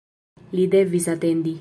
Li devis atendi.